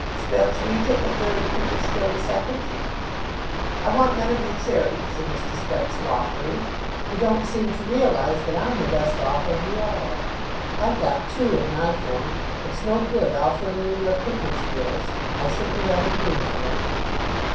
Spence, will you take a third of Pickersgill II.?" "I want none of your charity," said Mr. Spence loftily. "You don't seem to realise that I'm the best off of you all. I've got two in my form. It's no good offering me your Pickersgills. I simply haven't room for them."